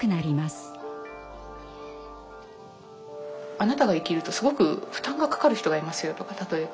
あなたが生きるとすごく負担がかかる人がいますよとか例えば。